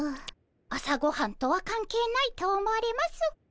朝ごはんとは関係ないと思われます。